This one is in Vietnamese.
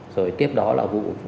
rồi tiếp đó là vụ